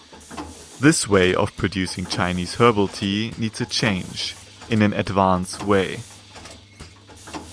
This way of producing Chinese herbal tea needs a change, in an advance way.